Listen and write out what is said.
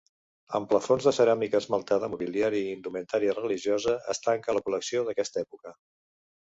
Amb plafons de ceràmica esmaltada, mobiliari i indumentària religiosa es tanca la col·lecció d'aquesta època.